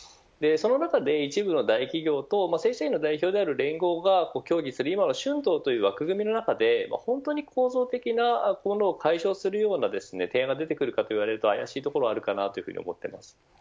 その中で一部の大企業と正社員の代表である連合が協議する春闘という枠組みの中で本当に構造的なものを解消するような提案が出てくるかというとあやしいところがあると思っています。